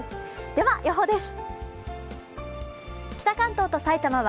では予報です。